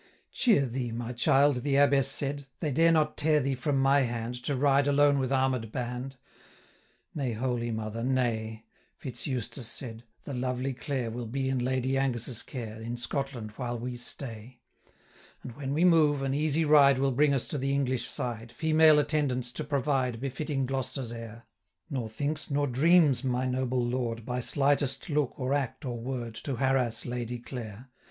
870 'Cheer thee, my child!' the Abbess said, 'They dare not tear thee from my hand, To ride alone with armed band.' 'Nay, holy mother, nay,' Fitz Eustace said, 'the lovely Clare 875 Will be in Lady Angus' care, In Scotland while we stay; And, when we move, an easy ride Will bring us to the English side, Female attendance to provide 880 Befitting Gloster's heir; Nor thinks, nor dreams, my noble lord, By slightest look, or act, or word, To harass Lady Clare.